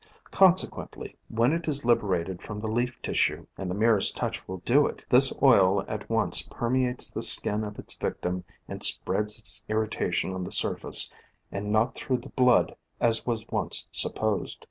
Conse quently when it is liberated from the leaf tissue, — and the merest touch will do it — this oil at once permeates the skin of its victim and spreads its irritation on the surface, and not through the blood as was once supposed.